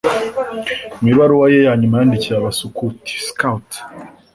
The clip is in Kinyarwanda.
Mu ibaruwa ye ya nyuma yandikiye Abasukuti (Scout)